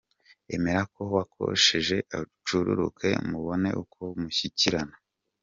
Emera ko wakosheje acururuke mubone uko mushyikirana.